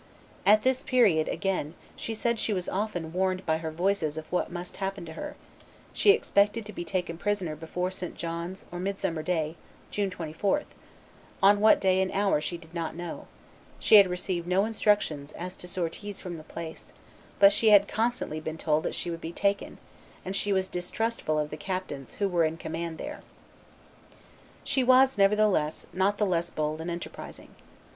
At this period, again, she said she was often warned by her voices of what must happen to her; she expected to be taken prisoner before St. John's or Midsummer day (June 24); on what day and hour she did not know; she had received no instructions as to sorties from the place; but she had constantly been told that she would be taken, and she was distrustful of the captains who were in command there. She was, nevertheless, not the less bold and enterprising.